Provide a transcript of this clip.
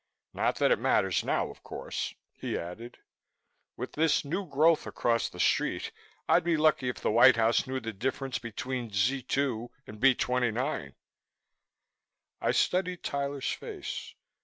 Not that it matters now, of course," he added. "With this new growth across the street I'd be lucky if the White House knew the difference between Z 2 and B 29." I studied Tyler's face.